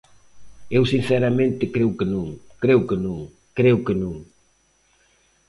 Eu sinceramente creo que non, creo que non, creo que non.